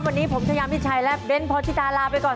วันนี้ผมชายามิชัยและเบ้นพรชิตาลาไปก่อน